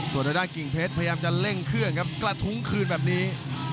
ส่วนทางด้านกิ่งเพชรพยายามจะเร่งเครื่องครับกระทุ้งคืนแบบนี้